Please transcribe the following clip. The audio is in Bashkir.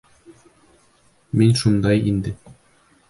Мин шундай инде.